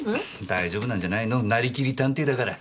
大丈夫なんじゃないのなりきり探偵だから。